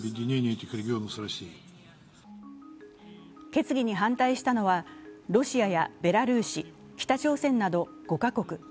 決議に反対したのはロシアやベラルーシ、北朝鮮など５か国。